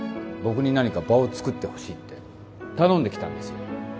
僕に何か場をつくってほしいって頼んできたんですよ